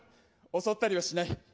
襲ったりはしない。